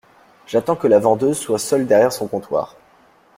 J’attends que la vendeuse soit seule derrière son comptoir.